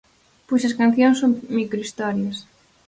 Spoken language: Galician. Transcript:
Pois as cancións son microhistorias.